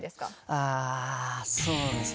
あそうですね。